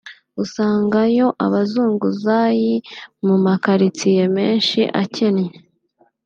usangayo abazunguzayi mu ma quartiers menshi akennye